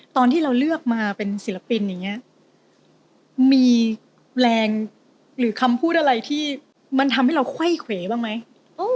ตอนที่เราเลือกมาเป็นศิลปินอย่างนี้มีแรงหรือคำพูดอะไรที่มันทำให้เราไขว้เขวบ้างไหม